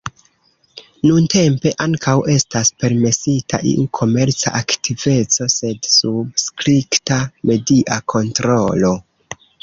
Nuntempe, ankaŭ estas permesita iu komerca aktiveco sed sub strikta media kontrolo.